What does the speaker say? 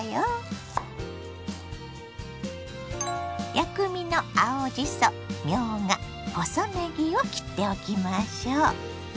薬味の青じそみょうが細ねぎを切っておきましょ。